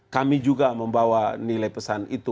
kami juga membawa nilai pesan itu